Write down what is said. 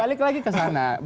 balik lagi ke sana